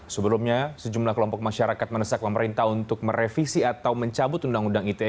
sebelumnya sejumlah kelompok masyarakat menesak pemerintah untuk merevisi atau mencabut undang undang ite